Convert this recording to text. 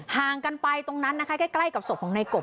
ห่างกันไปตรงนั้นนะคะใกล้กับศพของในกบ